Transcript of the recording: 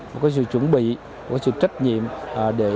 một sự chuẩn bị một sự trách nhiệm để ngăn thi đua